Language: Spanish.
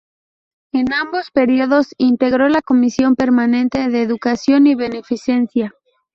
En ambos períodos integró la Comisión permanente de Educación y Beneficencia.